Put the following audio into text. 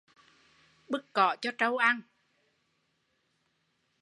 Bứt cỏ cho trâu ăn